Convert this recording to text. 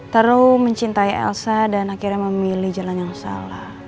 teru mencintai elsa dan akhirnya memilih jalan yang salah